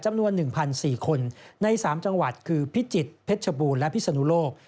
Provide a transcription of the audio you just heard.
จำนวน๑๔คนใน๓จังหวัดคือพิจิตรเพชรบูรณ์และพิศนุโลก